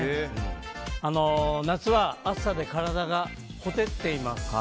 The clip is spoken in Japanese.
夏は暑さで体がほてっています。